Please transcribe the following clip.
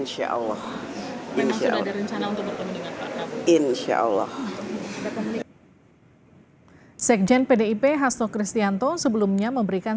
sekjen pdip hasto kristianto sebelumnya memberikan sinyal pertemuan antara ketua umum pdip megawati soekarno putri dan ketum partai gerindra prabowo subianto